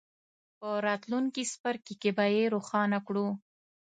په راتلونکي څپرکي کې به یې روښانه کړو.